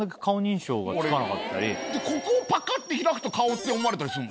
ここをパカ！って開くと顔って思われたりすんの。